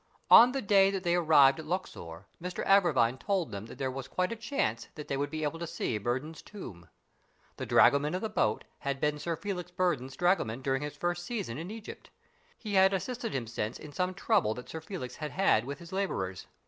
On the day that they arrived at Luxor Mr Agra vine told them that there was quite a chance that they would be able to see Burdon's tomb. The dragoman of the boat had been Sir Felix Burdon's dragoman during his first season in Egypt. He had assisted him since in some trouble that Sir Felix had had with his labourers.